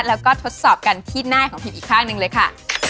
แล้วก็ทดสอบกันที่หน้าของหินอีกข้างหนึ่งเลยค่ะ